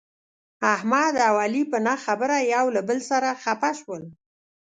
احمد او علي په نه خبره یو له بل سره خپه شول.